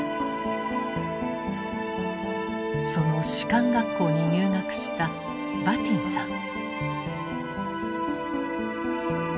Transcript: その士官学校に入学したバティンさん。